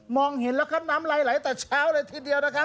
มองเห็นแล้วก็น้ำไหลไหลแต่เช้าเลยทีเดียวนะครับ